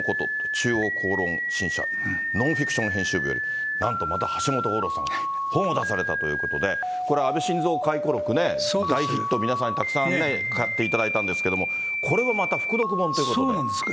中央公論新社ノンフィクション編集部より、なんとまた、橋本五郎さんが本を出されたということで、これ、安倍晋三回顧録ね、大ヒット、皆さんにたくさん買っていただいたんですけれども、そうなんです。